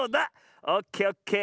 オッケーオッケー。